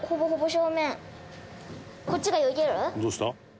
「どうした？」